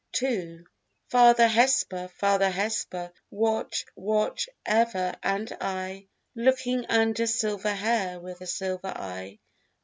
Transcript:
II Father Hesper, Father Hesper, watch, watch, ever and aye, Looking under silver hair with a silver eye.